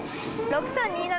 ６３２７。